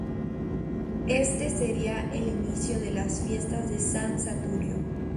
Éste sería el inicio de las Fiestas de San Saturio.